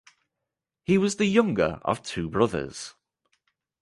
He was the younger of two brothers.